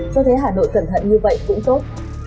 cho thấy hà nội cẩn thận như vậy cũng tốt